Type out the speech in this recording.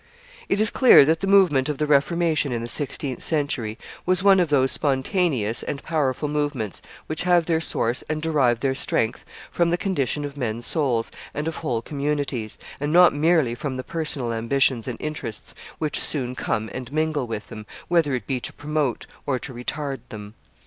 ] It is clear that the movement of the Reformation in the sixteenth century was one of those spontaneous and powerful movements which have their source and derive their strength from the condition of men's souls and of whole communities, and not merely from the personal ambitions and interests which soon come and mingle with them, whether it be to promote or to retard them.